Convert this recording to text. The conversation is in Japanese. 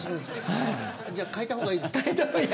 じゃあ変えたほうがいいですか？